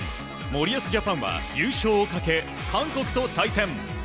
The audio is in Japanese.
森保ジャパンは優勝をかけ韓国と対戦。